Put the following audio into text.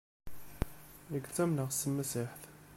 Nekk ttamneɣ s tmasiḥit.